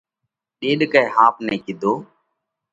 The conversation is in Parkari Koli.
ڏيڏڪئہ ۿاپ نئہ ڪِيڌو: